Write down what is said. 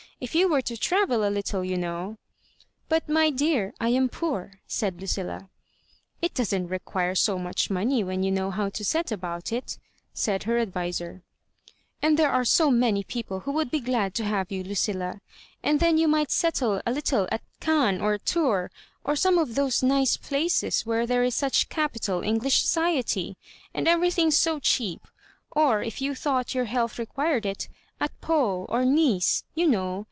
If you were to travel a little, you know "" But, my dear, I am poor,'* said Lucilla. It doesn't require so much money when you know how to set about it," said her adviser; '' and there are so many people who would be glad to have you, Lucilla I And then you might settle a little at Caen or Tours, or some of those nice places, where there is such capital English society, and everything so cheap; or, if you thought your health required it, at Pan or Nice, you know.